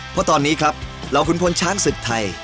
เพราะตอนนี้ครับเหล่าขุนพลช้างศึกไทย